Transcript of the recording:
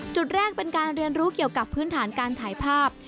จุดแรกเป็นการเรียนรู้เกี่ยวกับพื้นฐานการถ่ายภาพ